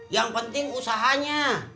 yang penting usahanya